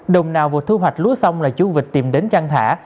đồng nào vừa thu hoạch lúa xong là chú vịt tìm đến chăn thả